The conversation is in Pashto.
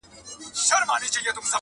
د مکار دښمن په کور کي به غوغا سي٫